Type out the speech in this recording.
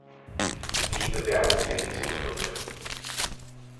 Wie bewerten wir diese Befunde?